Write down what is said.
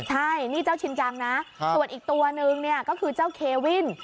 ใช่นี่เจ้าชินจังนะส่วนอีกตัวนึงเนี่ยก็คือเจ้าเควิน